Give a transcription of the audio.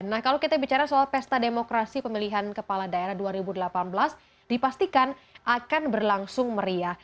nah kalau kita bicara soal pesta demokrasi pemilihan kepala daerah dua ribu delapan belas dipastikan akan berlangsung meriah